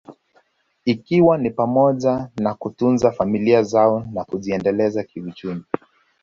ikiwa ni pamoja na kutunza familia zao na kujiendeleza kiuchumi